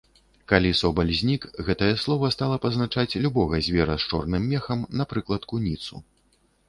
Калі собаль знік, гэтае слова стала пазначаць любога звера з чорным мехам, напрыклад куніцу.